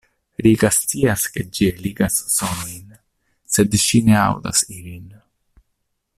Rika scias, ke ĝi eligas sonojn, sed ŝi ne aŭdas ilin.